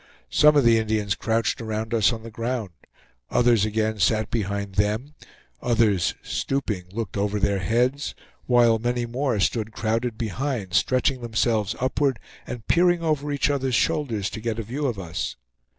Some of the Indians crouched around us on the ground; others again sat behind them; others, stooping, looked over their heads; while many more stood crowded behind, stretching themselves upward, and peering over each other's shoulders, to get a view of us.